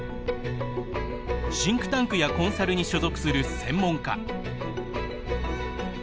シンクタンクやコンサルに所属する専門家。